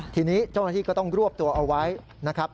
ทีนี้เจ้าหน้าที่ก็ต้องรวบตัวเอาไว้นะครับ